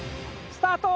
スタート！